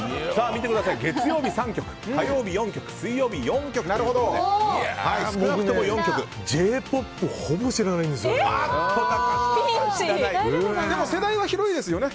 見てください、月曜日３曲火曜日、４曲水曜日、４曲ということでＪ‐ＰＯＰほぼ知らないんですよね。